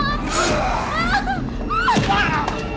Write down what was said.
mas aku mau tidur